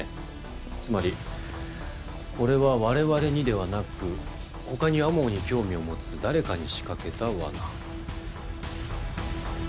つまりこれは我々にではなく他に天羽に興味を持つ誰かに仕掛けた罠。